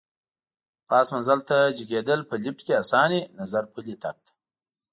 پاس منزل ته جګېدل په لېفټ کې اسان وي، نظر پلي تګ ته.